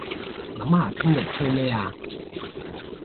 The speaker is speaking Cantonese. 諗下聽日吹咩吖